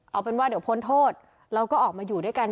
เอาเป็นว่าเดี๋ยวพ้นโทษเราก็ออกมาอยู่ด้วยกัน